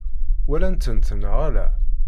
Walan-tent neɣ ala?